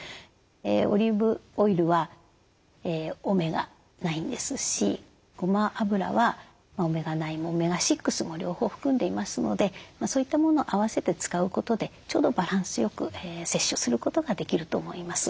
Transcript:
オリーブオイルはオメガ９ですしごま油はオメガ９もオメガ６も両方含んでいますのでそういったものを合わせて使うことでちょうどバランスよく摂取することができると思います。